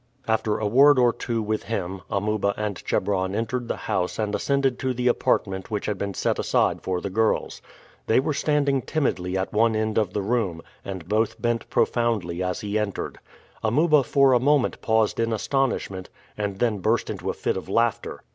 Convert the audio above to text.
After a word or two with him, Amuba and Chebron entered the house and ascended to the apartment which had been set aside for the girls. They were standing timidly at one end of the room, and both bent profoundly as he entered. Amuba for a moment paused in astonishment, and then burst into a fit of laughter.